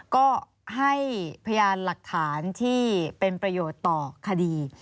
ก็ให้พยานหลักฐานที่เป็นประโยชน์ต่อคดี